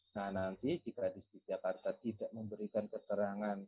nah nanti jika dinas pendidikan dki jakarta tidak memberikan keterangan